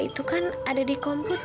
itu bukan natuur compliment